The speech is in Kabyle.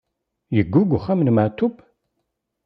Yeggug uxxam n Maɛṭub?